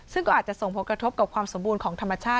ซึ่งก็อาจจะส่งผลกระทบกับความสมบูรณ์ของธรรมชาติ